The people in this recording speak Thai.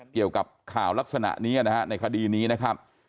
เกี่ยวกับข่าวลักษณะนี้นะฮะในคดีนี้นะครับ